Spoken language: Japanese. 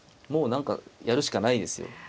もう何かやるしかないですよ。